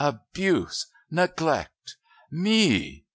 Abuse! Neglect! Me!